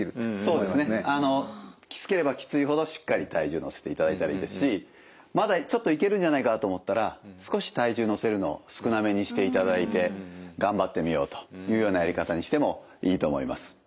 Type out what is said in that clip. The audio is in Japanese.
そうですねあのきつければきついほどしっかり体重乗せていただいたらいいですしまだちょっといけるんじゃないかなと思ったら少し体重乗せるのを少なめにしていただいて頑張ってみようというようなやり方にしてもいいと思います。